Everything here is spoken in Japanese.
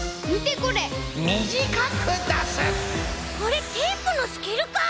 これテープのスキルかい！